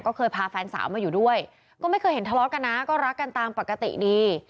ก็เคยพาแฟนสาวมาอยู่ด้วยก็ไม่เคยเห็นทะเลาะกันนะก็รักกันตามปกติดี